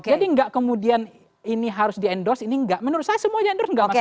jadi gak kemudian ini harus di endorse ini gak menurut saya semua di endorse gak masalah